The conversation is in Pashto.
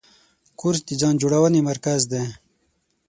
کورس د ځان جوړونې مرکز دی.